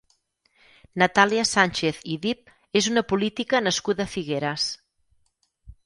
Natàlia Sànchez i Dipp és una política nascuda a Figueres.